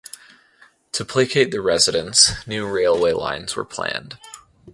To placate the residents, new railway lines were planned.